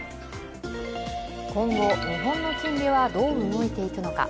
今後、日本の金利はどう動いていくのか。